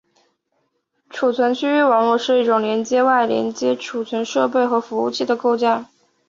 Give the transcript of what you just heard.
储存区域网络是一种连接外接存储设备和服务器的架构。